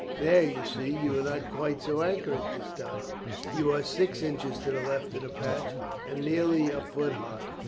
There, you see, you are not quite so accurate this time you are six inches to the left of the patch, and nearly a foot high.